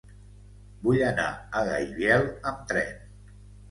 Vull anar a Gaibiel amb tren.